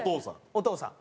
お父さん。